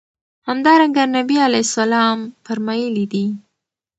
همدرانګه نبي عليه السلام فرمايلي دي